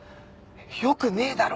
よくねえだろ！